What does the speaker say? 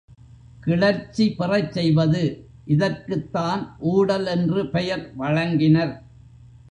கிளர்ச்சி பெறச் செய்வது இதற்குத்தான் ஊடல் என்று பெயர் வழங்கினர்.